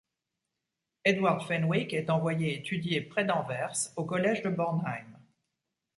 Edward Fenwick est envoyé étudier près d'Anvers au collège de Bornheim.